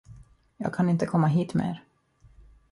Jag kan inte komma hit mer.